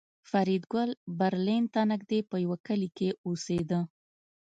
فریدګل برلین ته نږدې په یوه کلي کې اوسېده